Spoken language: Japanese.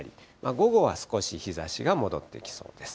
午後は少し日ざしが戻ってきそうです。